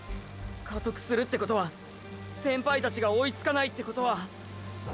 加速するってことは先輩たちが追いつかないってことは！